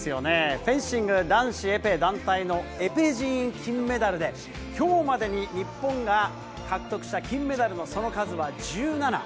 フェンシング男子エペ団体のエペジーーン金メダルで、きょうまでに日本が獲得した金メダルのその数は１７。